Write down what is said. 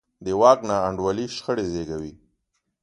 د واک ناانډولي شخړې زېږوي